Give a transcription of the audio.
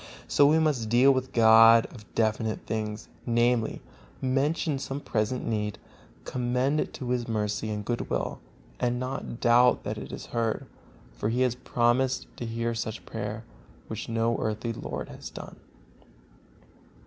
So we must deal with God of definite things, namely, mention some present need, commend it to His mercy and good will, and not doubt that it is heard; for He has promised to hear such prayer, which no earthly lord has done.